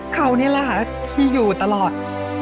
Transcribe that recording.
เขานี่แหละค่ะที่อยู่ตลอด